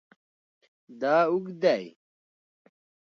دا اوږد دی